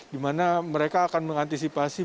di mana mereka akan mengantisipasi